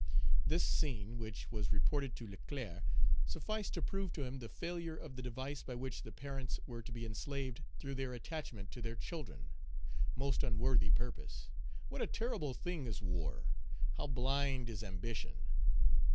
This scene, which was reported to Leclerc, sufficed to prove to him the failure of the device by which the parents were to be enslaved through their attachment to their children. Most unworthy purpose! What a terrible thing is war! How blind is ambition!